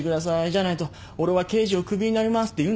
じゃないと俺は刑事を首になりますって言うんですか？